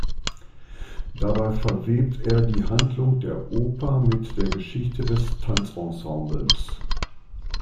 Dabei verwebt er die Handlung der Oper mit der Geschichte des Tanzensembles.